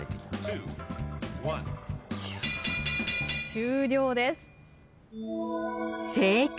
終了です。